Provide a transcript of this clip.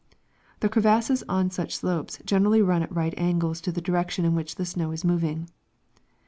The crevasses on such slopes generally run at right angles to the direction in which the snow is moving.